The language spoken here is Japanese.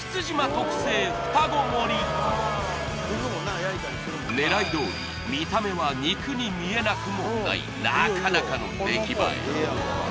完成しました狙いどおり見た目は肉に見えなくもないなかなかの出来栄え